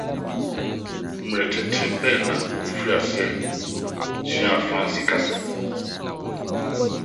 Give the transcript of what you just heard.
Bere tenten bɛn na wufii ase suaa Franse kasa?